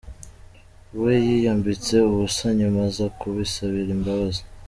We yiyambitse ubusa nyuma aza kubisabira imbabazi.